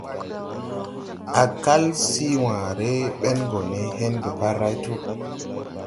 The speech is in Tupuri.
Á kal sii wããre ben go ne hen depārday tuu.